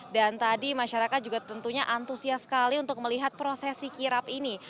dan tadi masyarakat juga tentunya antusias sekali untuk melihat prosesi kirap ini